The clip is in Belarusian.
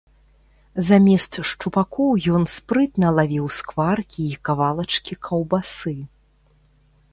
Замест шчупакоў ён спрытна лавіў скваркі і кавалачкі каўбасы.